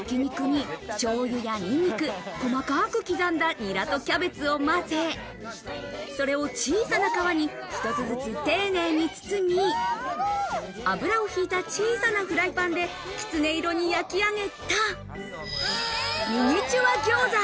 ひき肉に醤油やニンニク、細かく刻んだニラとキャベツを混ぜ、それを小さな皮に一つずつ丁寧に包み、油を引いた小さなフライパンできつね色に焼き上げたミニチュア餃子。